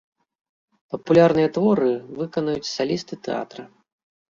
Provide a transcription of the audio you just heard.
Папулярныя творы выканаюць салісты тэатра.